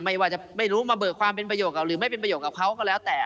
ไม่ว่าจะไม่รู้มาเบิกความเป็นประโยชนกับหรือไม่เป็นประโยชน์กับเขาก็แล้วแต่